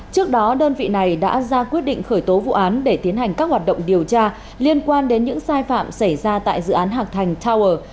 cơ quan tỉnh thanh hóa đã ra quyết định khởi tố vụ án để tiến hành các hoạt động điều tra liên quan đến những sai phạm xảy ra tại dự án hạc thành tower